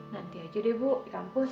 nanti aja deh bu di kampus